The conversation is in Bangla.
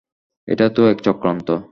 এটা তো এক চক্রান্ত।